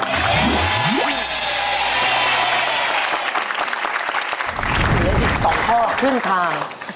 เหลืออีก๒ข้อครึ่งทาง